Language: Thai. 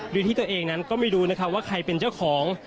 โดยที่ตัวเองนั้นก็ไม่รู้นะคะว่าใครเป็นเจ้าของ